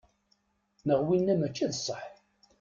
Neɣ wina mačči d sseḥ?